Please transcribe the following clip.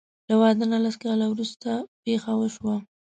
له واده نه لس کاله وروسته پېښه وشوه.